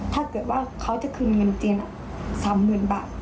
ถ้าเกิดว่าเขาจะคืนเงินจริง๓หมื่นบาท